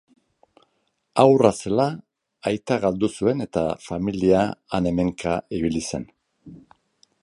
Haurra zela, aita galdu zuen eta familia han-hemenka ibili zen.